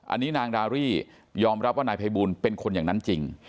อันนี้นางดารี่ยอมรับว่านายภัยบูลเป็นคนอย่างนั้นจริง